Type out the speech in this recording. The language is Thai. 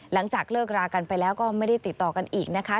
หลังจากเลิกรากันไปแล้วก็ไม่ได้ติดต่อกันอีกนะคะ